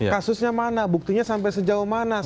kasusnya mana buktinya sampai sejauh mana